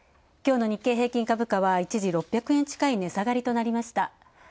きょうの日経平均株価は一時６００円近い値下がりとなりました。